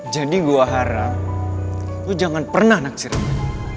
jadi gue harap lo jangan pernah naksir sama dia